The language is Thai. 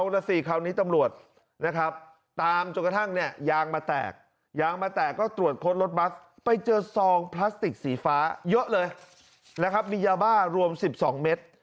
เยอะเลยนะครับมียาบ้ารวม๑๒เมตร